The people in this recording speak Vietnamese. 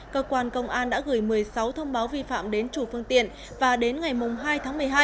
cơ quan công an đã gửi một mươi sáu thông báo vi phạm đến chủ phương tiện và đến ngày hai tháng một mươi hai